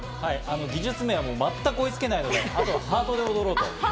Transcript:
技術面は全く追いつけないので、あとはハートで踊ろうと。